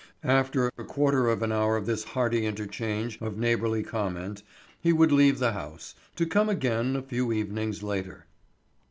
After a quarter of an hour of this hearty interchange of neighborly comment, he would leave the house, to come again a few evenings later.